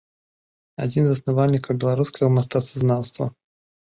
Адзін з заснавальнікаў беларускага мастацтвазнаўства.